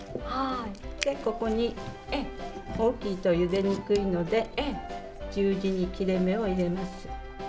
大きいと、ゆでにくいので十字に切れ目を入れます。